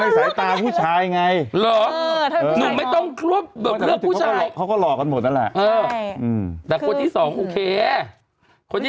เขามีคนละเอียดอ่อนนะ